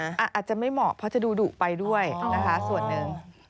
อาจจะไม่เหมาะเพราะจะดูดุไปด้วยนะคะส่วนหนึ่ง